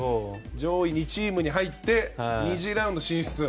上位２チームに入って２次ラウンド進出。